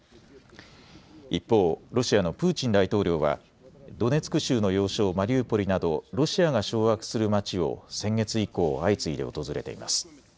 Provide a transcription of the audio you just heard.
一方、ロシアのプーチン大統領はドネツク州の要衝マリウポリなどロシアが掌握する街を先月以降、相次いで訪れています。